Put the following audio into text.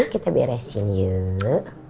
kita beresin yuk